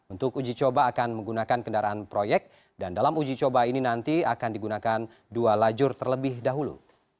untuk uji coba akan menggunakan kendaraan proyek dan dalam uji coba ini nanti akan digunakan dua lajur terlebih dahulu